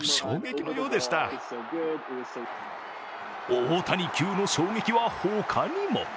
大谷急の衝撃は、ほかにも。